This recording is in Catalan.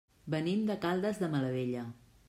Venim de Caldes de Malavella.